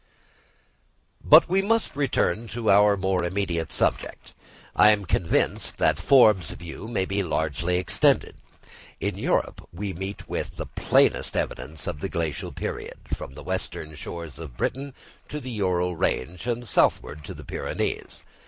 _ But we must return to our more immediate subject. I am convinced that Forbes's view may be largely extended. In Europe we meet with the plainest evidence of the Glacial period, from the western shores of Britain to the Ural range, and southward to the Pyrenees.